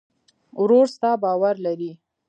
ورور ستا باور لري.